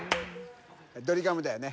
ドリカムだよね